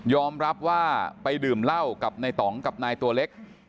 รับว่าไปดื่มเหล้ากับในต่องกับนายตัวเล็ก